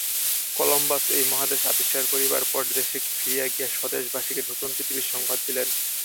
Columbus এই মহাদেশ আবিষ্কার করিবার পর দেশে ফিরিয়া গিয়া স্বদেশবাসীকে নূতন পৃথিবীর সংবাদ দিলেন।